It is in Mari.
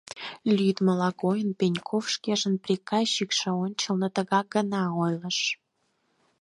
Лӱддымыла койын, Пеньков шкенжын приказчикше ончылно так гына ойлыш.